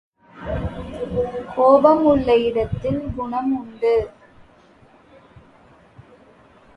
கோபம் உள்ள இடத்தில் குணம் உண்டு.